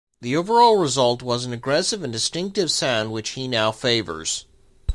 The overall result was an "aggressive and distinctive" sound which he now favors.